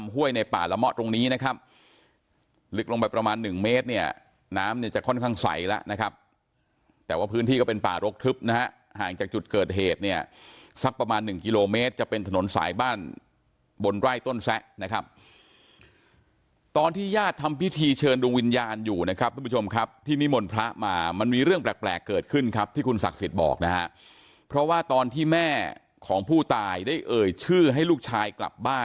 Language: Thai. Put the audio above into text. พ่วยในป่าระมอตตรงนี้นะครับลึกลงไปประมาณหนึ่งเมตรเนี่ยน้ำเนี่ยจะค่อนข้างใสแล้วนะครับแต่ว่าพื้นที่ก็เป็นป่ารกทึบนะฮะห่างจากจุดเกิดเหตุเนี่ยสักประมาณหนึ่งกิโลเมตรจะเป็นถนนสายบ้านบนไร่ต้นแซะนะครับตอนที่ญาติทำพิธีเชิญดวิญญาณอยู่นะครับท่านผู้ชมครับที่นิมลพระมามันมีเรื่องแปลก